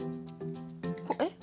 えっ